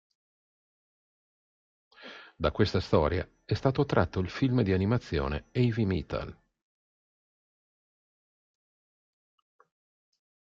Da questa storia è stato tratto il film di animazione "Heavy Metal".